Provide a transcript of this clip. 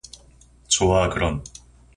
좋아, 그럼.